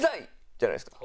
じゃないですか。